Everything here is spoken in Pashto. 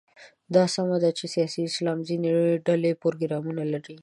دا سمه ده چې سیاسي اسلام ځینې ډلې پروګرامونه لري.